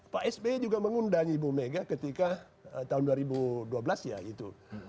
pak sby juga mengundang ibu mega ketika tahun dua ribu dua belas ya itu